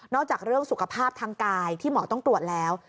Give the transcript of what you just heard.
จากเรื่องสุขภาพทางกายที่หมอต้องตรวจแล้ว